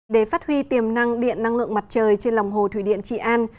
để phát huy tiềm năng điện năng lượng mặt trời trên lòng hồ thủy điện trị an